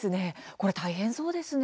これ大変そうですね。